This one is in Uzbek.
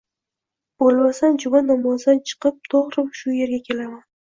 Bo‘lmasam, juma namozidan chiqib tuvri shu yerga kelaman